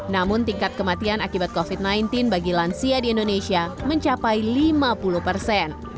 namun tingkat kematian akibat covid sembilan belas bagi lansia di indonesia mencapai lima puluh persen